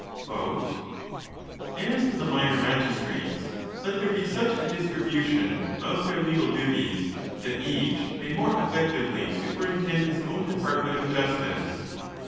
7 "As to the minor magistrates, let there be such a distribu tion of their legal duties, that each may more effectively superintend his own department of justice.